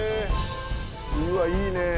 うわっいいねえ！